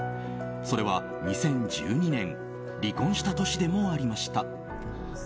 それは２０１２年離婚した年でもありました。